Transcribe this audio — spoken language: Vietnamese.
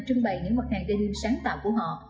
trưng bày những mặt hàng denims sáng tạo của họ